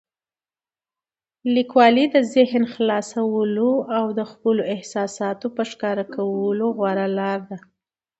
لیکوالی د ذهن خلاصولو او د خپلو احساساتو په ښکاره کولو غوره لاره ده.